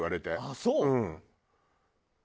あっそう。